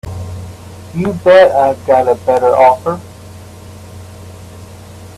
You bet I've got a better offer.